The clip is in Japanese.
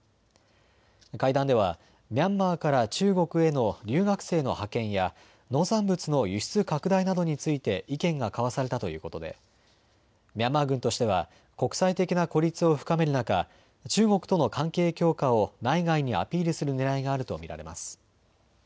会談ではミャンマーから中国への留学生の派遣や農産物の輸出拡大などについて意見が交わされたということでミャンマー軍としては国際的な孤立を深める中、中国との関係強化を内外にアピールするねらいがあると見られます。